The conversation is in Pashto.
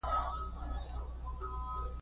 راځه په شا شه راځه ډاکټر ته دې بيايمه.